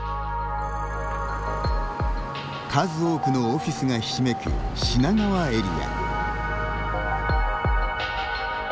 数多くのオフィスがひしめく品川エリア。